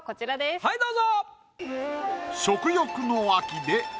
はいどうぞ。